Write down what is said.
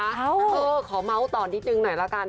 เออขอเมาส์ต่อนิดนึงหน่อยละกัน